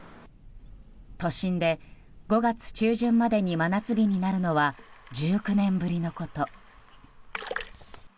都心で５月中旬までに真夏日になるのは１９年ぶりのこと。